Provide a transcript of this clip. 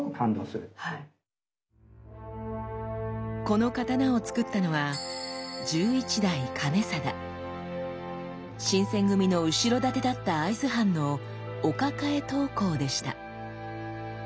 この刀をつくったのは新選組の後ろ盾だった会津藩のお抱え刀工でした。